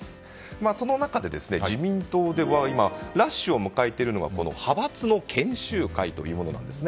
その中で、自民党で今、ラッシュを迎えているのが派閥の研修会というものなんです。